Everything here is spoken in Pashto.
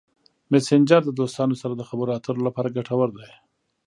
مسېنجر د دوستانو سره د خبرو اترو لپاره ګټور دی.